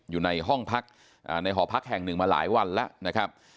อยู่ในห้องพักในหอพักแห่งหนึ่งมาหลายวันแล้วนะครับ